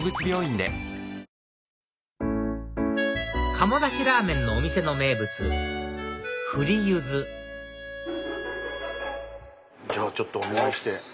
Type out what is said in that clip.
鴨だしらぁ麺のお店の名物ふり柚子じゃあちょっとお願いして。